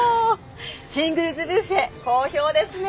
シングルズ・ビュッフェ好評ですね。